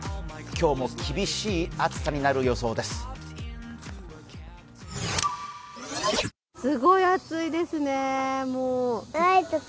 今日も厳しい暑さになる予想です。